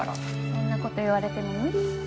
そんな事言われても無理。